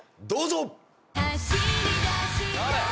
どうぞ！